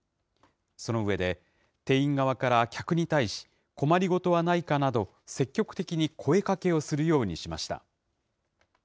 その上で、店員側から客に対し、困り事はないかなど、積極的に声かけをするようにしました。